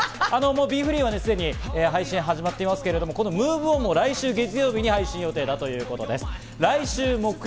『ＢｅＦｒｅｅ』はすでに配信が始まっていますけど、この『ＭｏｖｅＯｎ』も来週月曜日に配信予定だということです。